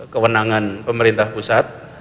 kewenangan pemerintah pusat